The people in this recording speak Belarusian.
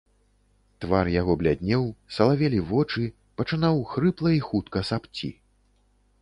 Твар яго бляднеў, салавелі вочы, пачынаў хрыпла і хутка сапці.